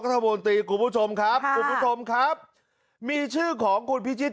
รัฐมนตรีคุณผู้ชมครับคุณผู้ชมครับมีชื่อของคุณพิชิต